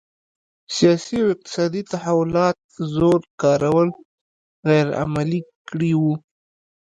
سیاسي او اقتصادي تحولات زور کارول غیر عملي کړي وو.